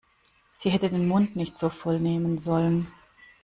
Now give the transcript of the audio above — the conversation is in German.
Sie hätte den Mund nicht so voll nehmen sollen.